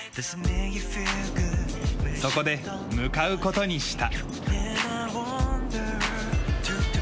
そこで向かう事にした。